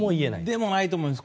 でもないと思います。